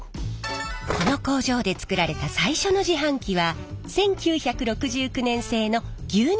この工場で作られた最初の自販機は１９６９年製の牛乳ビン自販機。